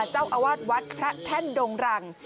เจ้าอาวาสวัดพระแท่นดงรัง